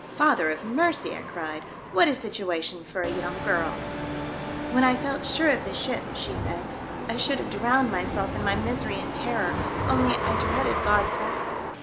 "Father of Mercy!" I cried, "what a situation for a young girl !" "When I felt sure of the ship," she said, " I should have drowned myself in my misery and terror, only I dreaded God's wrath.